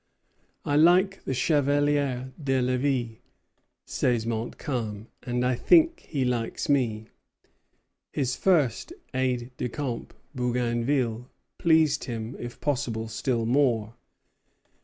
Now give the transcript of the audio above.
"I like the Chevalier de Lévis," says Montcalm, "and I think he likes me." His first aide de camp, Bougainville, pleased him, if possible, still more.